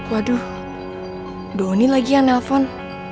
waduh donin lagi yang nelfon